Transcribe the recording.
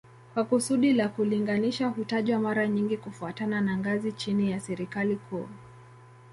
Kwa kusudi la kulinganisha hutajwa mara nyingi kufuatana na ngazi chini ya serikali kuu